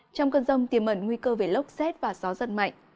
trong cơn rông tiềm ẩn nguy cơ về lốc xét và gió giật mạnh